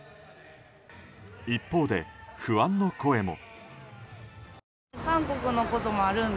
一方で、不安の声も。